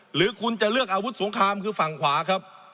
หรือคุณจะเลือกอาวุธสงครามคือฝั่งขวาครับ